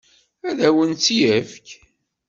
Ad awen-tt-yefk?